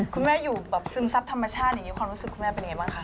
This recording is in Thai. คุณแม่อยู่แบบซึมซับธรรมชาติอย่างนี้ความรู้สึกคุณแม่เป็นยังไงบ้างคะ